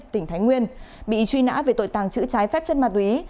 tỉnh thái nguyên bị truy nã về tội tàng trữ trái phép chất ma túy